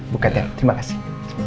buket ya terima kasih